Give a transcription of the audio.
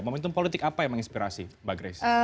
momentum politik apa yang menginspirasi mbak grace